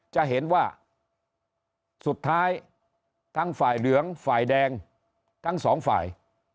จะเห็นว่าสุดท้ายทั้งฝ่ายเหลืองฝ่ายแดงทั้งสองฝ่าย